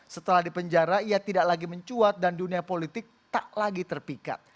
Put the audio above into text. setelah dipenjara ia tidak lagi mencuat dan dunia politik tak lagi terpikat